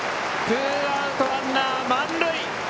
ツーアウトランナー、満塁！